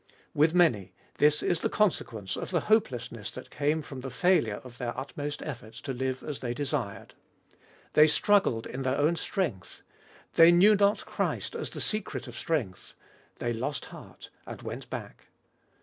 With many this is the consequence of the hopelessness that came from the failure of their utmost efforts to live as they desired. They struggled in their own strength ; they knew not Christ as the secret of strength; they lost heart, and went back.